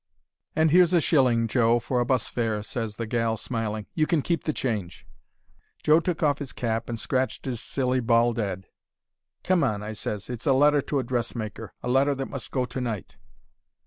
"'And here's a shilling, Joe, for a bus fare,' ses the gal, smiling. 'You can keep the change.' "Joe took off 'is cap and scratched 'is silly bald 'ead. "'Come on,' I ses; 'it's a letter to a dressmaker. A letter that must go to night.'